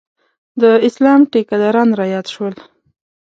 د اسلام ټیکداران رایاد شول.